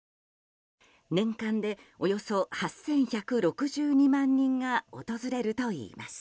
年間でおよそ８１６２万人が訪れるといいます。